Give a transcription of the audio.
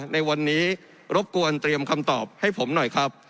ในวันนี้รบกวนเตรียมคำตอบให้ผมหน่อยครับ